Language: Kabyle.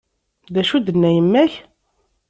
Acu d-tenna yemma-k?